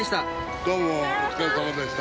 どうも、お疲れさまでした。